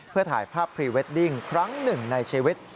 เพื่อถ่ายภาพพรีเวดดิ้งครั้งหนึ่งในชีวิต